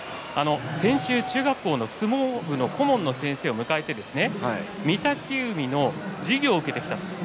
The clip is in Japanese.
先週、中学校の顧問の先生を迎えて御嶽海の授業を受けてきたと。